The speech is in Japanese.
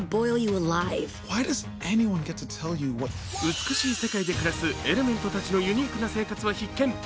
美しい世界で暮らすエレメントたちのユニークな生活は必見。